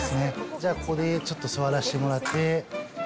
じゃあ、ここでちょっと座らせてもらって。